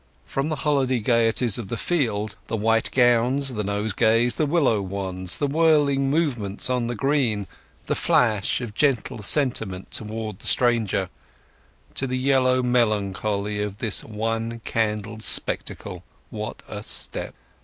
From the holiday gaieties of the field—the white gowns, the nosegays, the willow wands, the whirling movements on the green, the flash of gentle sentiment towards the stranger—to the yellow melancholy of this one candled spectacle, what a step!